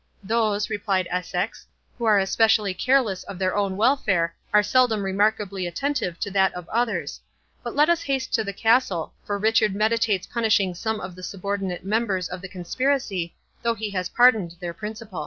"Those," replied Essex, "who are specially careless of their own welfare, are seldom remarkably attentive to that of others—But let us haste to the castle, for Richard meditates punishing some of the subordinate members of the conspiracy, though he has pardoned their principal."